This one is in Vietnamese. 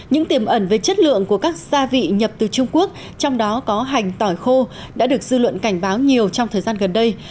những tiềm ẩn về chất lượng của các gia vị nhập từ trung quốc trong đó có hành tỏi khô đã được dư luận cảnh báo nhiều trong thời gian gần đây